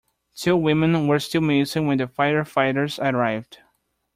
Two women were still missing when the firefighters arrived.